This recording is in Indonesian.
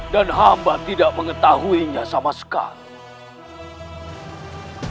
dan hamba tidak mengetahuinya sama sekali